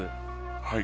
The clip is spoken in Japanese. はい。